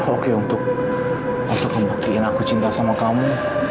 oke untuk membuktiin aku cinta sama kamu